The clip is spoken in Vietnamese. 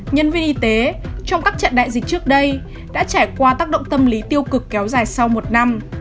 nhân viên y tế trong các trận đại dịch trước đây đã trải qua tác động tâm lý tiêu cực kéo dài sau một năm